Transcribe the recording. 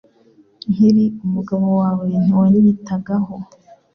Nkiri umugabo wawe ntiwanyitagaho